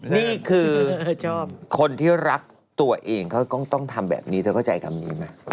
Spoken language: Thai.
นี่คือคนที่รักตัวเองเขาต้องทำแบบนี้เธอเข้าใจคำนี้ไหม